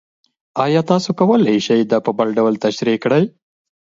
ایا تاسو کولی شئ دا په بل ډول تشریح کړئ؟